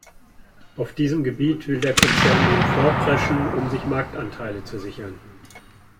Auf diesem Gebiet will der Konzern nun vorpreschen, um sich Marktanteile zu sichern.